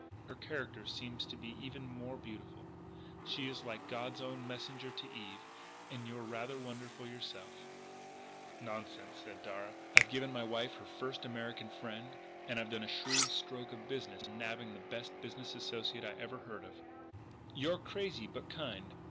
Her character seems to be even more beautiful.... She's like God's own messenger to Eve.... And you're rather wonderful yourself " "Nonsense," said Darragh, "I've given my wife her first American friend and I've done a shrewd stroke of business in nabbing the best business associate I ever heard of " "You're crazy but kind....